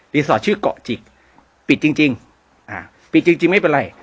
สอดชื่อเกาะจิกปิดจริงจริงอ่าปิดจริงจริงไม่เป็นไร